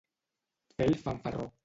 Fer el fanfarró.